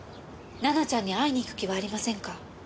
奈々ちゃんに会いに行く気はありませんか？